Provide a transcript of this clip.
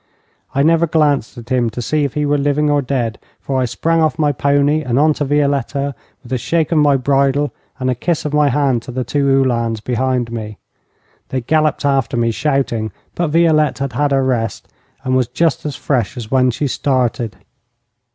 I never glanced at him to see if he were living or dead, for I sprang off my pony and on to Violette, with a shake of my bridle and a kiss of my hand to the two Uhlans behind me. They galloped after me, shouting, but Violette had had her rest, and was just as fresh as when she started.